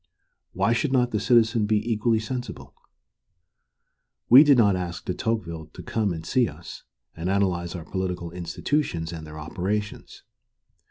Why should not the citizen be equally sensible? We did not ask De Tocqueville to come and see us and analyze our political institutions and their operations.